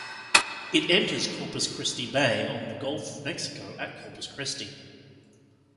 It enters Corpus Christi Bay on the Gulf of Mexico at Corpus Christi.